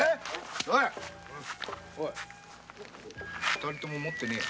二人とも持ってねえや。